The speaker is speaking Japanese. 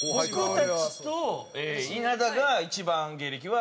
僕たちと稲田が一番芸歴は。